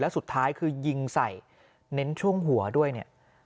สุดท้ายคือยิงใส่เน้นช่วงหัวด้วยเนี่ย